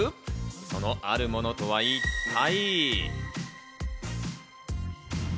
そのあるものとは一体？